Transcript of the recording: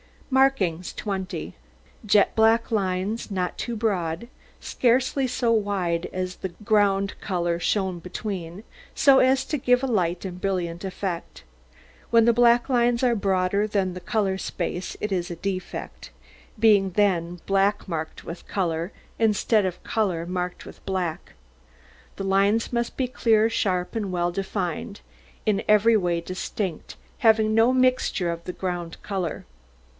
MARKINGS 20 Jet black lines, not too broad, scarcely so wide as the ground colour shown between, so as to give a light and brilliant effect. When the black lines are broader than the colour space, it is a defect, being then black marked with colour, instead of colour marked with black. The lines must be clear, sharp, and well defined, in every way distinct, having no mixture of the ground colour.